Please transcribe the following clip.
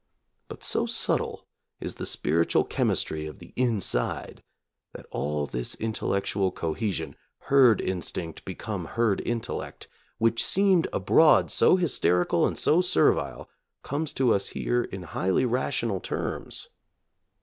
But so subtle is the spiritual chemistry of the "inside" that all this intellectual cohesion — herd instinct become herd intellect — which seemed abroad so hysterical and so servile, comes to us here in highly rational terms.